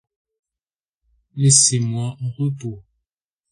Laissez-moi en repos.